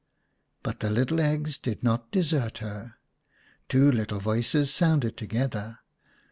But the little eggs did not desert her. Two little voices sounded together.